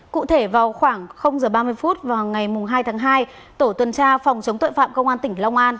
cụ thể vào khoảng h ba mươi phút vào ngày hai tháng hai tổ tuần tra phòng chống tội phạm công an tỉnh long an